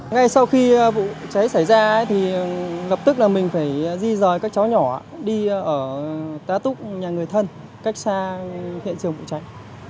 ngay sau khi vụ cháy xảy ra thì lập tức là mình phải di rời các cháu nhỏ đi ở tá túc nhà người thân cách xa hiện trường vụ cháy